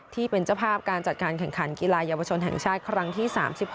ที่เป็นเจ้าภาพการจัดการแข่งขันกีฬาเยาวชนแห่งชาติครั้งที่๓๖